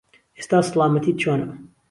ئێستا سڵامەتیت چۆنە؟